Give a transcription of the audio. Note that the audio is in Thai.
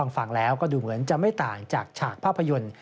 ฟังแล้วก็ดูเหมือนจะไม่ต่างจากฉากภาพยนตร์